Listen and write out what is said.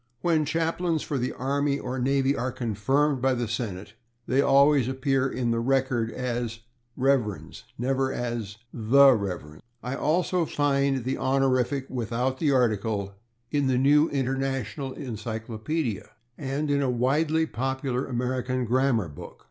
When chaplains for the army or navy are confirmed by the Senate they always appear in the /Record as Revs./, never as /the Revs./ I also find the honorific without the article in the New International Encyclopaedia, in the /World/ Almanac, and in a widely popular [Pg123] American grammar book.